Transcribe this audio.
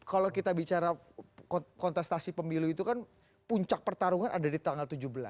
kalau kita bicara kontestasi pemilu itu kan puncak pertarungan ada di tanggal tujuh belas